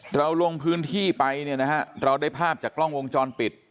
เราลงพื้นที่ไปเนี่ยนะฮะเราได้ภาพจากกล้องวงจรปิด